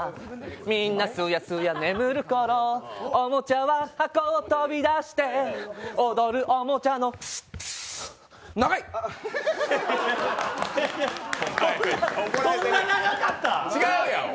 みんなすやすや眠るころ、おもちゃは箱を飛び出して、おどるおもちゃのそんな長かった？